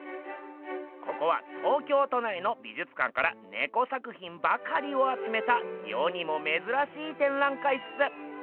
ここは東京都内の美術館からネコ作品ばかりをあつめた世にもめずらしい展覧会っす。